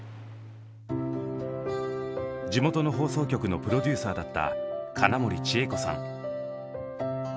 地元の放送局のプロデューサーだった金森千榮子さん。